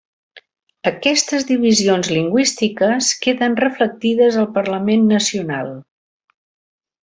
Aquestes divisions lingüístiques queden reflectides al Parlament nacional.